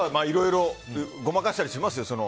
いろいろごまかしたりしますよ。